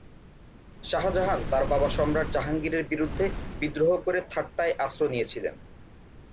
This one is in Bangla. শাহজাহান তার বাবা সম্রাট জাহাঙ্গীরের বিরুদ্ধে বিদ্রোহ করে থাট্টায় আশ্রয় নিয়েছিলেন।